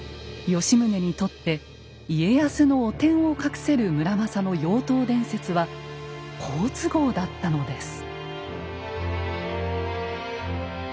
吉宗にとって家康の汚点を隠せる村正の「妖刀伝説」は好都合だったのです。